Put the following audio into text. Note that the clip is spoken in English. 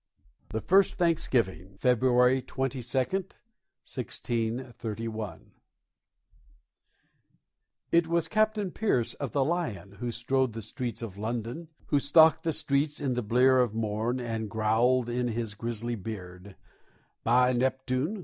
THE FIRST THANKSGIVING [February 22, 1631] It was Captain Pierce of the Lion who strode the streets of London, Who stalked the streets in the blear of morn and growled in his grisly beard; _By Neptune!